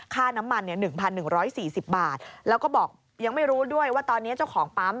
ค่าน้ำมัน๑๑๔๐บาทแล้วก็บอกยังไม่รู้ด้วยว่าตอนนี้เจ้าของปั๊ม